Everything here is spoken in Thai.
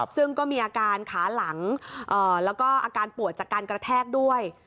ซึ่งก็มีอาการขาหลังแล้วก็อาการปวดจากการกระแทกด้วย